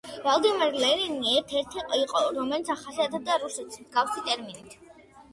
ვლადიმერ ლენინი ერთ-ერთი იყო რომელიც ახასიათებდა რუსეთს მსგავსი ტერმინით.